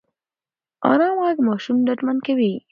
ارام غږ ماشوم ډاډمن کوي.